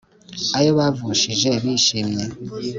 Ayo bavushije bishimye